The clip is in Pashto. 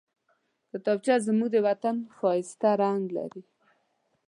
کتابچه زموږ د وطن ښايسته رنګ لري